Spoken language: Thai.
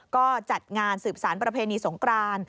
ก็จัดงานสืบสารประเพณีสงคราน